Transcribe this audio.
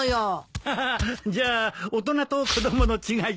ハハハじゃあ大人と子供の違いって？